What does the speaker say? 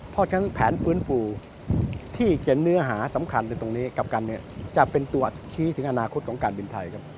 เพราะฉะนั้นแผนฟื้นฟูที่เจ็นเนื้อหาสำคัญจะเป็นตัวชี้ถึงอนาคตของการบินไทย